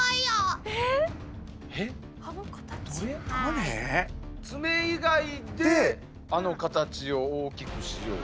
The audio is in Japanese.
ツメ以外であのカタチを大きくしよう。